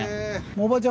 おばあちゃん